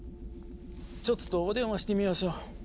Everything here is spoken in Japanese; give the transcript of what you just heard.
ちょつとお電話してみましょ。